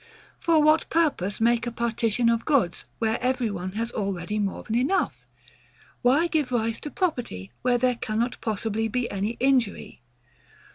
For what purpose make a partition of goods, where every one has already more than enough? Why give rise to property, where there cannot possibly be any injury?